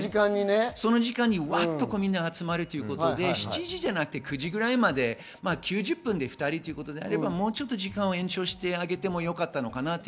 その時間に皆が集まるということで、７時じゃなくて９時ぐらいまで、９０分で２人ということであれば、時間を延長してあげてもよかったのかなと。